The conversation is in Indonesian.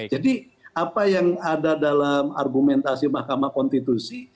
jadi apa yang ada dalam argumentasi mahkamah konstitusi